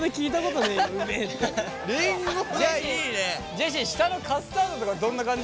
ジェシー下のカスタードとかどんな感じ？